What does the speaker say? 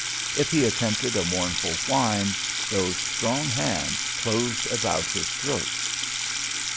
If he attempted a mournful whine, those strong hands closed about his throat.